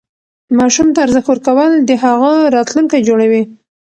ماشوم ته ارزښت ورکول د هغه راتلونکی جوړوي.